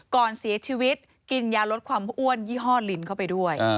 ก่อนเสียชีวิตกินยาลดความอ้วนยี่ห้อลินเข้าไปด้วย